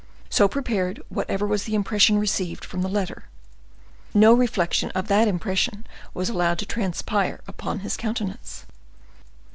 So prepared, whatever was the impression received from the letter, no reflection of that impression was allowed to transpire upon his countenance.